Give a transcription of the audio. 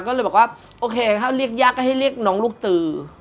ก็เลยบอกว่าโอเคถ้าเรียกยากก็ให้เรียกน้องลูกตือ